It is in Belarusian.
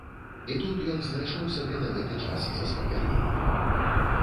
І тут ён знайшоў сабе на гэты час заспакаенне.